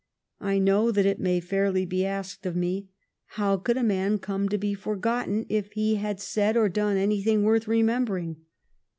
I know that it may fairly be asked of me, " How could a man come to be forgotten if he had said or done anything worth remember ing